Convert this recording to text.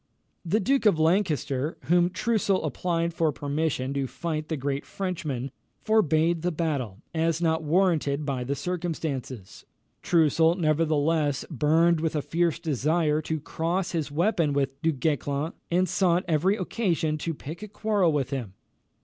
The Duke of Lancaster, to whom Troussel applied for permission to fight the great Frenchman, forbade the battle, as not warranted by the circumstances. Troussel nevertheless burned with a fierce desire to cross his weapon with Du Guesclin, and sought every occasion to pick a quarrel with him.